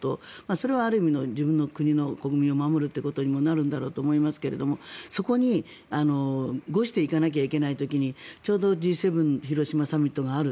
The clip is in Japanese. それはある意味の自分の国を守るということにもなるんだろうと思いますがそこに伍していかなきゃいけないという時にちょうど広島サミットがある。